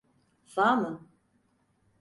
Sağ mı?